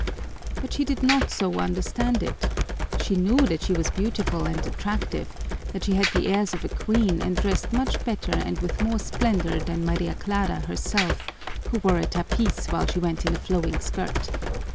But she did not so understand it. She knew that she was beautiful and attractive, that she had the airs of a queen and dressed much better and with more splendor than Maria Clara herself, who wore a tapis while she went in a flowing skirt.